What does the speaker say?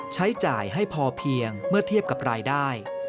ใช้จ่ายให้พอเพียงเมื่อเทียบกับรายได้